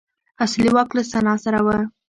اصلي واک له سنا سره و.